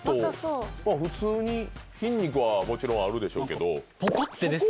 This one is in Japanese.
普通に筋肉はもちろんあると思いますけど。